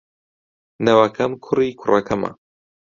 نەوەکەم کوڕی کوڕەکەمە.